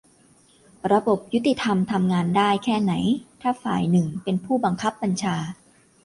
- ระบบยุติธรรมทำงานได้แค่ไหนถ้าฝ่ายหนึ่งเป็นผู้บังคับบัญชา